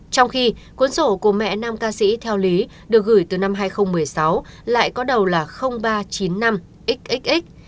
trong khi cuốn sổ của mẹ nam ca sĩ theo lý được gửi từ năm hai nghìn một mươi sáu lại có đầu là ba trăm chín mươi năm x